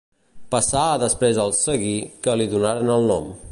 Passà després als Seguí, que li donaren el nom.